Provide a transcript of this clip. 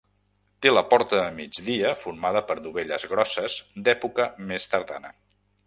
Té la porta a migdia formada per dovelles grosses d'època més tardana.